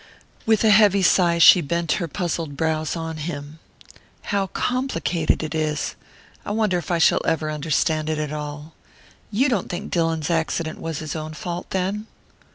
With a heavy sigh she bent her puzzled brows on him. "How complicated it is! I wonder if I shall ever understand it all. You don't think Dillon's accident was his own fault, then?"